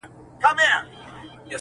له نيکه را پاته سوی په ميراث دی!